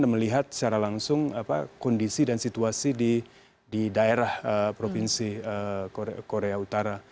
dan melihat secara langsung kondisi dan situasi di daerah provinsi korea utara